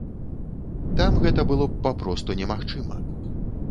Там гэта было б папросту немагчыма.